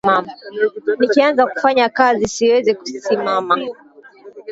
Nikianza kufanya kazi siwezi simama